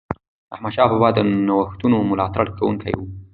احمدشاه بابا د نوښتونو ملاتړ کوونکی و.